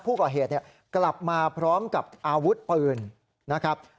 ผู้ก่อเหตุกลับมาพร้อมกับอาวุธปืนนะครับ